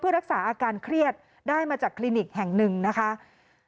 ที่มีการขายรัฐฟาสวยังเราสามารถเช่นประโยชน์ได้ครับ